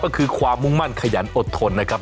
ก็คือความมุ่งมั่นขยันอดทนนะครับ